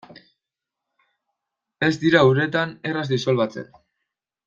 Ez dira uretan erraz disolbatzen.